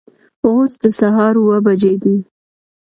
اوس د سهار اوه بجې دي